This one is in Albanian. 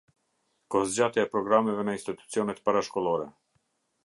Kohëzgjatja e programeve në institucionet parashkollore.